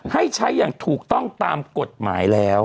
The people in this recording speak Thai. ให้ใช้อย่างถูกต้องตามกฎหมายแล้ว